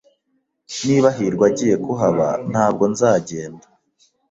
Niba hirwa agiye kuhaba, ntabwo nzagenda.